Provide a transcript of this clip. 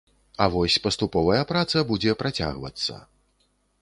А вось паступовая праца будзе працягвацца.